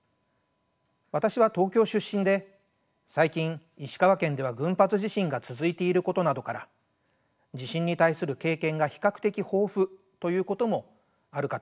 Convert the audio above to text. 私は東京出身で最近石川県では群発地震が続いていることなどから地震に対する経験が比較的豊富ということもあるかと思います。